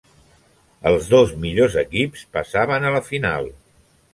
Els dos millors equips passaven a la final.